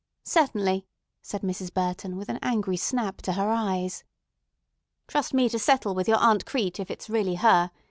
"Certainly," said Mrs. Burton with an angry snap to her eyes. "Trust me to settle with your Aunt Crete if it's really her.